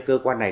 cơ quan này